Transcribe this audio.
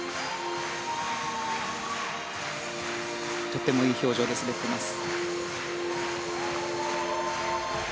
とてもいい表情で滑っています。